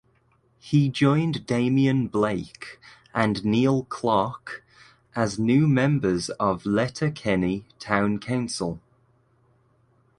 He joined Damien Blake and Neil Clarke as new members of Letterkenny Town Council.